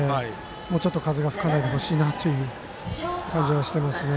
もうちょっと風が吹かないでほしいなという感じはしてますね。